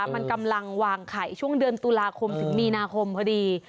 มันกำลังวางไข่ช่วงเดือนตุลาคมถึงมีนาคมพอดี